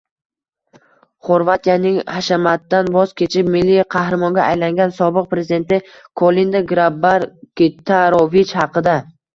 Xorvatiyaning hashamatdan voz kechib, milliy qahramonga aylangan sobiq prezidenti — Kolinda Grabar-Kitarovich haqida